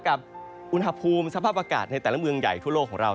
กับอุณหภูมิสภาพอากาศในแต่ละเมืองใหญ่ทั่วโลกของเรา